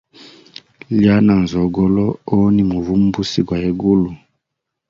Iya na nzogolo, oni muvumbusi gwa egulu.